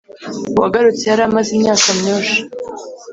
Uwagarutse yari amaze imyaka myoshi.